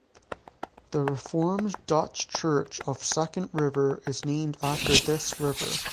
The Reformed Dutch Church of Second River is named after this river.